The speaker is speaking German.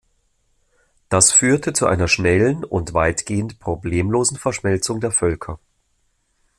Das führte zu einer schnellen und weitgehend problemlosen Verschmelzung der Völker.